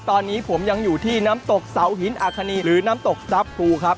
ตอนนี้ผมยังอยู่ที่น้ำตกเสาหินอาคณีหรือน้ำตกทรัพย์ครูครับ